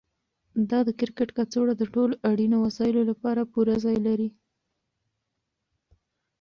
دا د کرکټ کڅوړه د ټولو اړینو وسایلو لپاره پوره ځای لري.